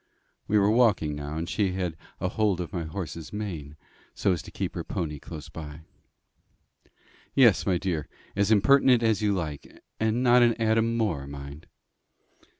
We were walking now, and she had a hold of my horse's mane, so as to keep her pony close up. "Yes, my dear, as impertinent as you like not an atom more, mind."